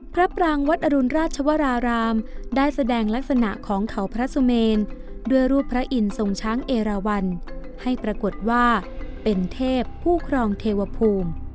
ปรางวัดอรุณราชวรารามได้แสดงลักษณะของเขาพระสุเมนด้วยรูปพระอินทร์ทรงช้างเอราวันให้ปรากฏว่าเป็นเทพผู้ครองเทวภูมิ